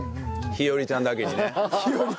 ひよりちゃんだけにね。